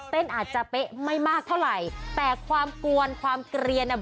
อาจจะเป๊ะไม่มากเท่าไหร่แต่ความกวนความเกลียนอ่ะ